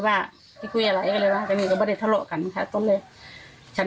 ว่าที่คุยอะไรก็เลยว่าก็ไม่ได้ทะเลาะกันค่ะต้นเลยฉัน